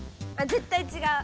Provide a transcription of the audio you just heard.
ぜったいちがう。